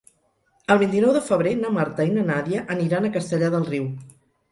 El vint-i-nou de febrer na Marta i na Nàdia aniran a Castellar del Riu.